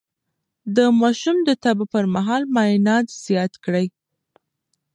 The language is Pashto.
د ماشوم د تبه پر مهال مايعات زيات کړئ.